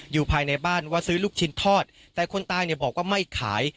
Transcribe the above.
อยู่ภายในบ้านว่าซื้อลูกชิ้นทอดแต่คนตายเนี่ยบอกว่าไม่ขาย